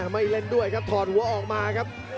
ไม่เล่นด้วยครับถอดหัวออกมาครับ